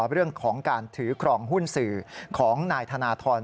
เรื่องของการถือครองหุ้นสื่อของนายธนทร